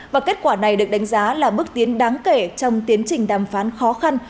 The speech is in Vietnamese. và kết quả này được đánh giá là bước tiến đáng kể trong tiến trình đàm phán khó khăn